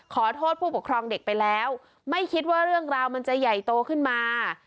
ขอโทษผู้ปกครองเด็กไปแล้วไม่คิดว่าเรื่องราวมันจะใหญ่โตขึ้นมา